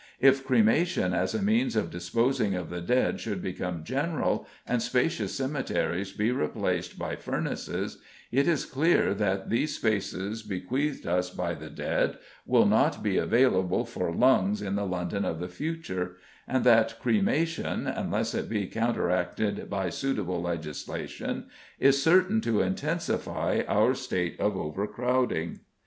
If cremation as a means of disposing of the dead should become general, and spacious cemeteries be replaced by furnaces, it is clear that these spaces bequeathed us by the dead will not be available for "lungs" in the London of the future, and that cremation, unless it be counteracted by suitable legislation, is certain to intensify our state of overcrowding.